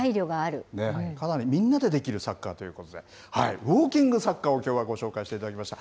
かなりみんなでできるサッカーということで、ウォーキングサッカーを、きょうはご紹介していただきました。